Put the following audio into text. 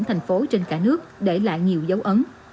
thành phố trên cả nước để lại nhiều dấu ấn